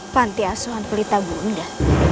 pantiasuhan pelita bunda